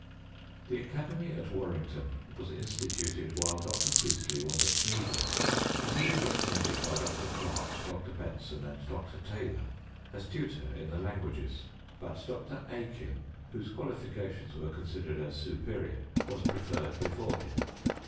The academy at Warrington was instituted while Dr. Priestley was at Needham, and he was recom mended by Mr. Clark, Dr. Benson, and Dr. Taylor, as tutor m the languages; but Dr. Aiken, whose S|naliti cations were considered as superior, was pre erred before him.